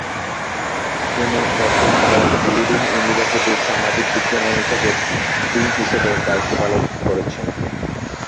তিনি বর্তমানে লিডিং ইউনিভার্সিটির সামাজিক বিজ্ঞান অনুষদের ডীন হিসেবে দায়িত্ব পালন করছেন।